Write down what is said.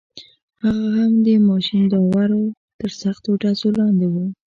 هغه هم د ماشیندارو تر سختو ډزو لاندې و.